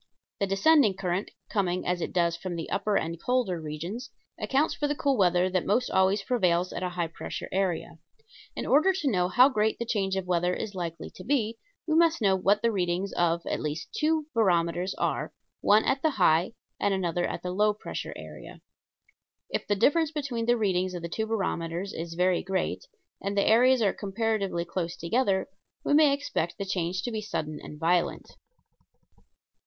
The descending current coming, as it does, from the upper and colder regions accounts for the cool weather that most always prevails at a high pressure area. In order to know how great the change of weather is likely to be, we must know what the readings of at least two barometers are one at the high and another at the low pressure area. If the difference between the readings of the two barometers is very great, and the areas are comparatively close together, we may expect the change to be sudden and violent.